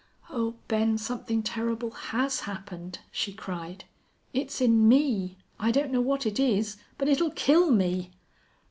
"Oh, Ben, something terrible has happened," she cried. "It's in me! I don't know what it is. But it'll kill me."